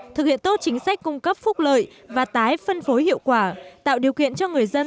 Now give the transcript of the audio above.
thực hiện tốt chính sách cung cấp phúc lợi và tái phân phối hiệu quả tạo điều kiện cho người dân